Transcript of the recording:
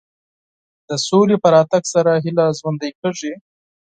د سولې په راتګ سره هیله ژوندۍ کېږي.